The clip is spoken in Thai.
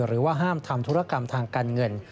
หรือว่าห้ามทำธุรกรรมทางการเงิน